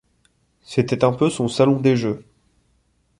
C'était un peu son salon des jeux.